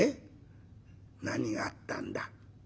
何があったんだ？